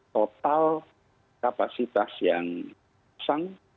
total kapasitas yang terpasang